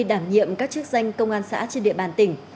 đảm nhiệm các chức danh công an xã trên địa bàn tỉnh